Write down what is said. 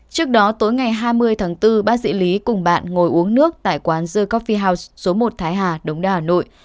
trước đó tối ngày hai mươi tháng bốn bác sĩ lý cùng bạn ngồi uống nước tại quán the coffee house số một thái hà đồng đà hà nội